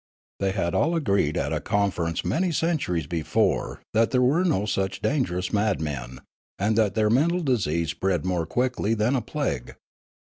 They had all agreed at a conference many centuries before that there were no such dangerous madmen, and that their mental disease spread more quickly than a plague.